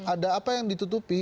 ada apa yang ditutupi